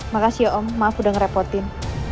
makasih ya om maaf udah ngerepotin